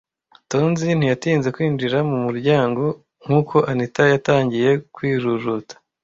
Tonzi ntiyatinze kwinjira mu muryango nkuko Anita yatangiye kwijujuta.